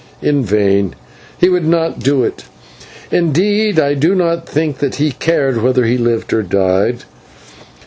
In vain; he would not do it, indeed I do not think that he cared whether he lived or died.